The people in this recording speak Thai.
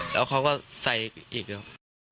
แล้วเขาก็ใส่อีกแล้ว